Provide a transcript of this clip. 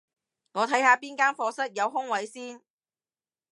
我睇下邊間課室有空位先